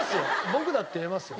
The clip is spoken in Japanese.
僕だって言えますよ。